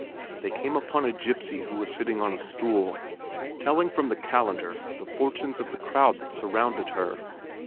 They came upon a gipsy who was sitting on a stool, telling from the calendar the fortunes of the crowd that surrounded her.